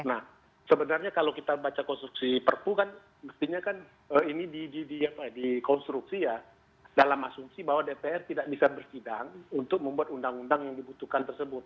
nah sebenarnya kalau kita baca konstruksi perpu kan mestinya kan ini dikonstruksi ya dalam asumsi bahwa dpr tidak bisa bersidang untuk membuat undang undang yang dibutuhkan tersebut